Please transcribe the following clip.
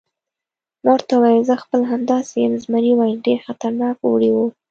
ما ورته وویل: زه خپله همداسې یم، زمري وویل: ډېر خطرناک اوړی و.